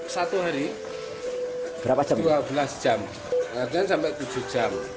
satu hari dua belas jam kemudian sampai tujuh jam